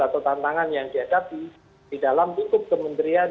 atau tantangan yang dihadapi di dalam lingkup kementerian